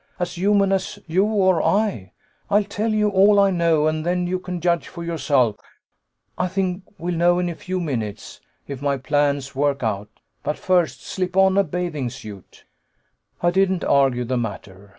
As human as you or I. I'll tell you all I know, and then you can judge for yourself. I think we'll know in a few minutes, if my plans work out. But first slip on a bathing suit." I didn't argue the matter.